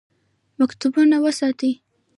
مکتبونه وساتئ